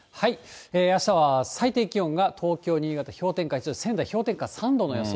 あしたは最低気温が東京、新潟氷点下１度で、仙台、氷点下３度の予想。